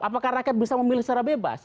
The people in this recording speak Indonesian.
apakah rakyat bisa memilih secara bebas